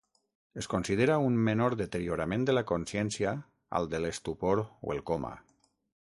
Es considera un menor deteriorament de la consciència al de l'estupor o el coma.